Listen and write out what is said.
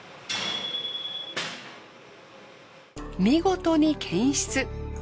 見事に検出。